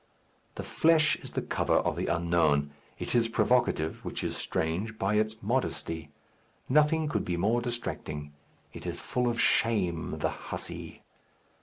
The flesh is the cover of the unknown. It is provocative (which is strange) by its modesty. Nothing could be more distracting. It is full of shame, the hussey!